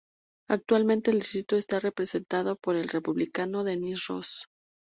Actualmente el distrito está representado por el Republicano Dennis Ross.